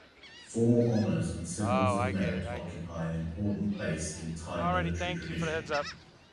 Formal honours and symbols of merit occupy an important place in Thai military tradition.